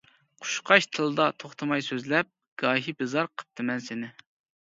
قۇشقاچ تىلدا توختىماي سۆزلەپ، گاھى بىزار قىپتىمەن سېنى.